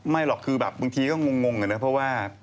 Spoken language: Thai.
ไม่หรอกแบบบางทีคงก็งงในกันนะครับเพราะว่า